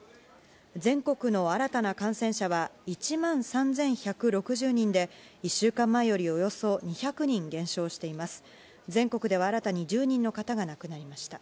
全国の新たな感染者は１万３１６０人で、１週間前よりおよそ２００人減少しています。